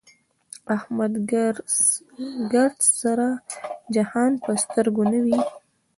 احمد ګردسره جهان په سترګو نه وي.